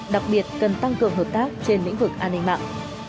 đặc biệt cần tăng cường hợp tác trên lĩnh vực an ninh mạng